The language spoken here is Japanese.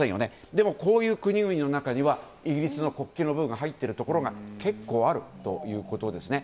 でもこういう国々の中にはイギリスの国旗の部分が入っているところが結構あるということですね。